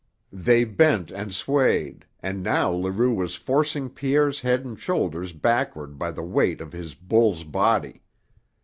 They bent and swayed, and now Leroux was forcing Pierre's head and shoulders backward by the weight of his bull's body.